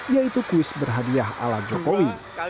yaitu kuis berhadiah ala jokowi